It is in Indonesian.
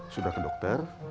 sudah ke dokter